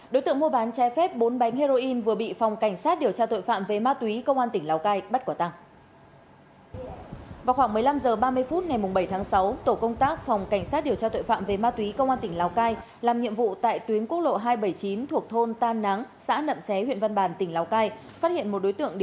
đối tượng mua bán trái phép bốn bánh heroin vừa bị phòng cảnh sát điều tra tội phạm về ma túy công an tỉnh lào cai bắt quả tàng